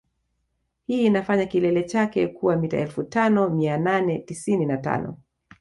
Hii inafanya kilele chake kuwa mita elfu tano mia nane tisini na tano